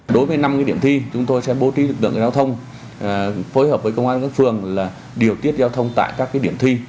đối với năm điểm thi chúng tôi sẽ bố trí lực lượng giao thông phối hợp với công an các phường là điều tiết giao thông tại các điểm thi